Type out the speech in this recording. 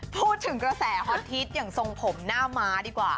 พูดถึงกระแสฮอตฮิตอย่างทรงผมหน้าม้าดีกว่า